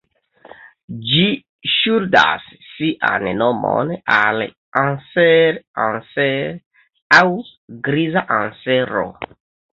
Ĝi ŝuldas sian nomon al "Anser Anser" aŭ griza ansero.